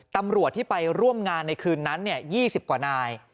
ตำรวจที่ไปร่วมงานในคืนนั้น๒๐กว่านาย